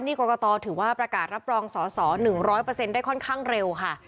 นี่กรกตถือว่าประกาศรับรองสอสอ๑๐๐ได้ค่อนข้างเร็วค่ะ